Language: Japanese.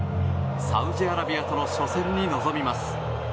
サウジアラビアとの初戦に臨みます。